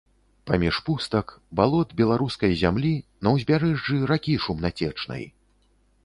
Паміж пустак, балот беларускай зямлі, на ўзбярэжжы ракі шумнацечнай.